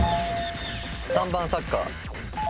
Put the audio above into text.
３番サッカー。